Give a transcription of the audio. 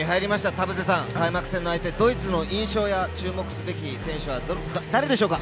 田臥さん、開幕戦の相手ドイツの印象や、注目すべき選手は誰でしょうか？